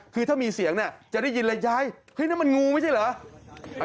คือถ้ามีเสียงจะได้ยินแบบยายนั่นมันงูไม่ใช่เหรอ